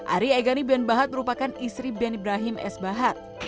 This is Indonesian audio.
ari egani ben bahat merupakan istri ben ibrahim s bahat